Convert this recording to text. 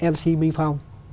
mc minh phong